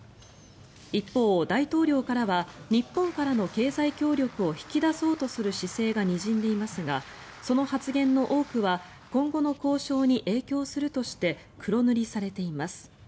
一方、大統領からは日本からの経済協力を引き出そうとする姿勢がにじんでいますがその発言の多くは今後の交渉に影響するとして黒塗りされています。